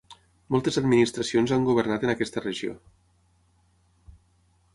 Moltes administracions han governat en aquesta regió.